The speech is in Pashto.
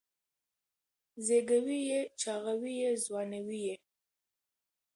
زېږوي یې چاغوي یې ځوانوي یې